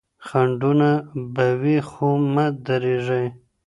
خنډونه به وي خو مه درېږئ.